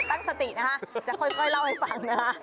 ตั้งสตินะคะจะค่อยเล่าให้ฟังนะคะ